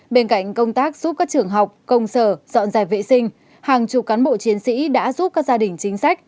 bên cạnh công tác giúp các trường học công sở dọn dẹp vệ sinh hàng chục cán bộ chiến sĩ đã giúp các gia đình chính sách